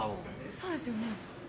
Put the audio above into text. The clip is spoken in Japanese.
そうですよね。